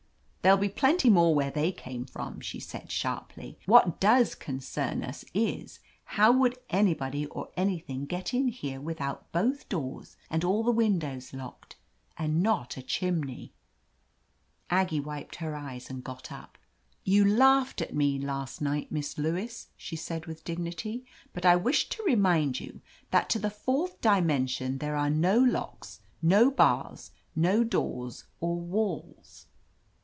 "There'll be plenty more where they came from," she said sharply. "What does concern us is — how would anybody or anything get in here with both doors and all the windows locked, and not a chimney." Aggie wiped her eyes and got up. "You laughed at me last night, Miss Lewis/' she said with dignity, "but I wish to remind you that to the fourth dimension there are no locks, no bars, no doors or walls."